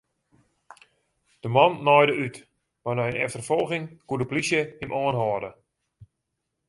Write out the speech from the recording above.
De man naaide út, mar nei in efterfolging koe de polysje him oanhâlde.